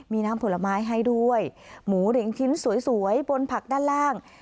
มีน้ำผลไม้ให้ด้วยหมูหลิงชิ้นสวยบนผักด้านล่าง